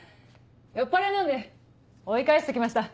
酔っぱらいなんで追い返しときました。